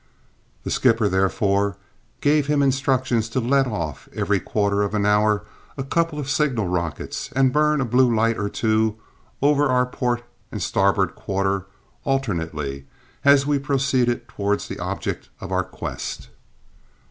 The skipper, therefore, gave him instructions to let off, every quarter of an hour, a couple of signal rockets and burn a blue light or two over our port and starboard quarter alternately as we proceeded towards the object of our quest.